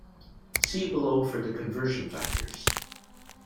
See below for the conversion factors.